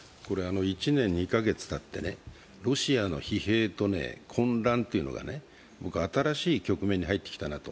１年２か月たってロシアの疲弊と混乱というのが新しい局面に入ってきたなと。